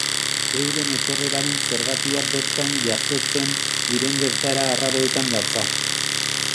Euren etorreraren zergatia bertan jazotzen diren gertaera arraroetan datza.